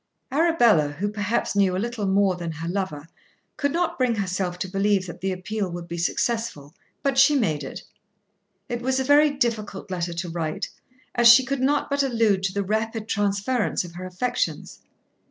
Arabella, who perhaps knew a little more than her lover, could not bring herself to believe that the appeal would be successful, but she made it. It was a very difficult letter to write, as she could not but allude to the rapid transference of her affections.